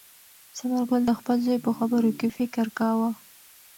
ثمر ګل د خپل زوی په خبرو کې فکر کاوه.